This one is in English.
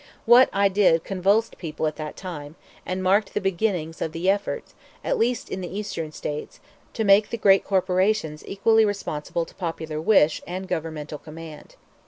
What I did convulsed people at that time, and marked the beginning of the effort, at least in the Eastern states, to make the great corporations really responsible to popular wish and governmental command.